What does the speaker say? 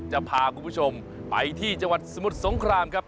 จะพาคุณผู้ชมไปที่จังหวัดสมุทรสงครามครับ